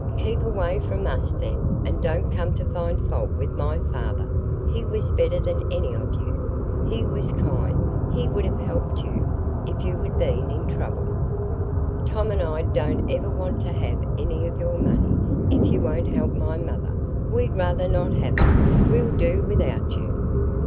Keep away from us then, and don't come to find fault with my father,—he was better than any of you; he was kind,—he would have helped you, if you had been in trouble. Tom and I don't ever want to have any of your money, if you won't help my mother. We'd rather not have it! We'll do without you."